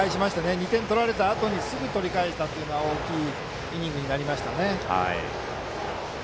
２点取られたあとにすぐ取り返したのは大きいイニングになりましたね。